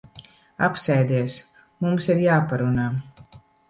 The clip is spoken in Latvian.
Apsēdies. Mums ir jāparunā.